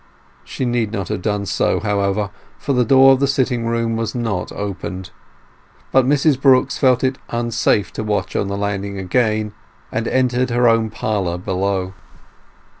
She need not have done so, however, for the door of the sitting room was not opened. But Mrs Brooks felt it unsafe to watch on the landing again, and entered her own parlour below.